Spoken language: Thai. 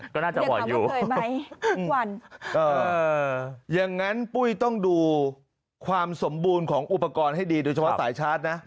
ก็น่าจะบ่อยอยู่บ่อยไหมทุกวันอย่างนั้นปุ้ยต้องดูความสมบูรณ์ของอุปกรณ์ให้ดีโดยเฉพาะสายชาร์จนะ